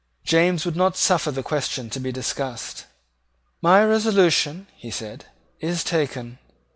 James would not suffer the question to be discussed. "My resolution," he said, "is taken.